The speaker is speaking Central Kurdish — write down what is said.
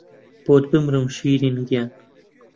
بۆت بمرم شیرین گیان